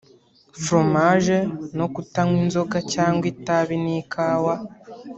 fromage no kutanywa inzoga cyangwa itabi n’ ikawa